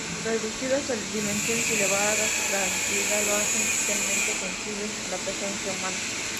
Sus reducidas dimensiones y elevada fragilidad lo hacen especialmente sensible a la presencia humana.